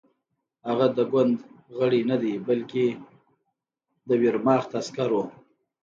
هغه د ګوند غړی نه دی بلکې د ویرماخت عسکر و